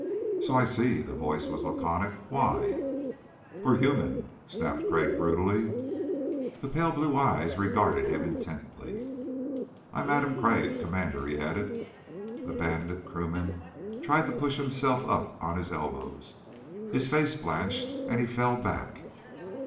"So I see." The voice was laconic. "Why?" "We're human," snapped Crag brutally. The pale blue eyes regarded him intently. "I'm Adam Crag, Commander," he added. The Bandit crewman tried to push himself up on his elbow. His face blanched and he fell back.